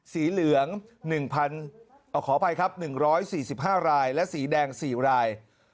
สีเหลือง๑๑๔๕รายและสีแดง๔ราย